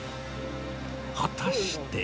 果たして。